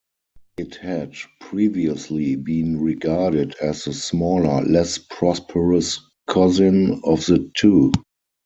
It had previously been regarded as the smaller, less prosperous cousin of the two.